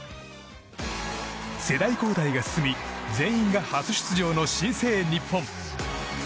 世代交代が進み全員が初出場の新生日本。